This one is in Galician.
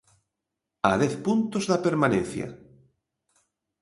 A dez puntos da permanencia.